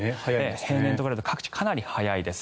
平年と比べると各地、かなり早いです。